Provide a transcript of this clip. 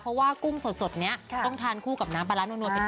เพราะว่ากุ้งสดนี้ต้องทานคู่กับน้ำปลาร้านัวไปด้วย